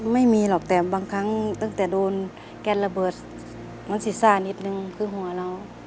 ไม่มีหรอกแต่บางครั้งตั้งแต่โดนแกนระเบิดมันศีรษะนิดนึงคือหัวเรา